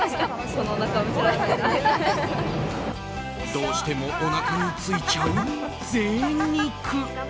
どうしてもおなかについちゃう、ぜい肉。